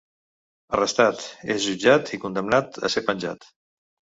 Arrestat, és jutjat i condemnat a ser penjat.